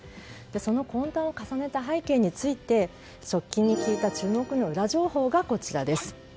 その懇談を重ねた背景について側近に聞いた注目のウラ情報がこちら。